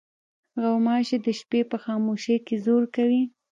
غوماشې د شپې په خاموشۍ کې زور کوي.